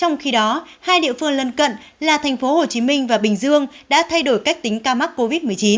trong khi đó hai địa phương lân cận là thành phố hồ chí minh và bình dương đã thay đổi cách tính ca mắc covid một mươi chín